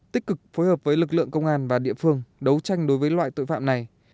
tích cực phối hợp với lực lượng công an và địa phương đấu tranh đối với loại tội phạm này